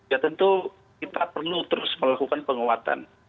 ya tentu kita perlu terus melakukan penguatan